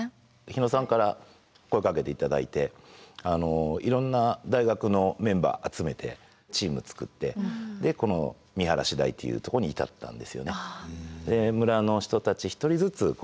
日野さんから声かけていただいていろんな大学のメンバー集めてチーム作ってでこの見晴台というとこに至ったんですよね。